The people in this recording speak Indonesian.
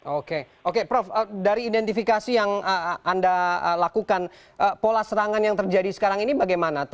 oke oke prof dari identifikasi yang anda lakukan pola serangan yang terjadi sekarang ini bagaimana